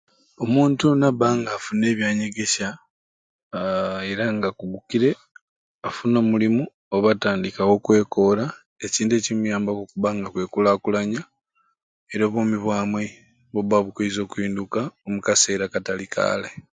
Omuntu nabba ng'afunire ebyanyegesya aa era ng'akugukire afuna omulimu oba atandikawo okwekoora ekintu ekimuyambaku okubba nga akwekulaakulanya era obwomi bwamwe bubba bukwiza okuyinduka omu kaseera akatali k'alai.